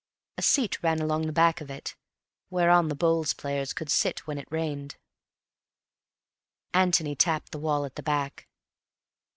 A seat ran along the back of it, whereon the bowls players could sit when it rained. Antony tapped the wall at the back.